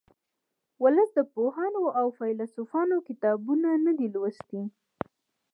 ولس د پوهانو او فیلسوفانو کتابونه نه دي لوستي